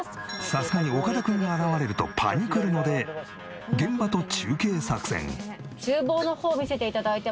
さすがに岡田君が現れるとパニクるので現場と中継作戦。おっ入る。